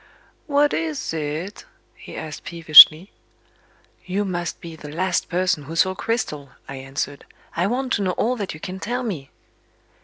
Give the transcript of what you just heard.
"What is it?" he asked peevishly. "You must be the last person who saw Cristel," I answered. "I want to know all that you can tell me."